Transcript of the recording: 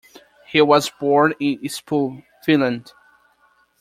He was born in Espoo, Finland.